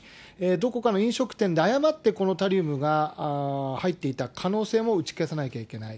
どこかの飲食店で誤ってこのタリウムが入っていた可能性も打ち消さなきゃいけない。